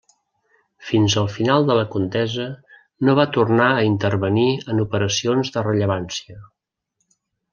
Fins al final de la contesa no va tornar a intervenir en operacions de rellevància.